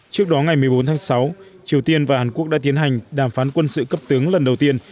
trước đó ngày một mươi bốn tháng sáu triều tiên và hàn quốc đã tiến hành đàm phán quân sự cấp tướng lần đầu tiên